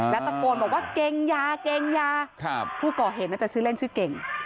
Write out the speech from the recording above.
แล้วตะโกนบอกว่าเก่งยาเก่งยาผู้ก่อเหตุน่าจะชื่อเล่นชื่อเก่ง